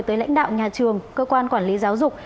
tới lãnh đạo nhà trường cơ quan quản lý giáo dục